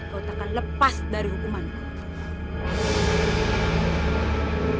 kau takkan lepas dari hukumanku